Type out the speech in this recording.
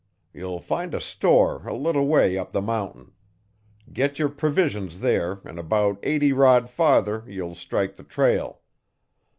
Ye'll find a store a little way up the mountain. Git yer provisions there an' about eighty rod farther ye'll strike the trail.